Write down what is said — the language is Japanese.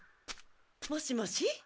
もしもし。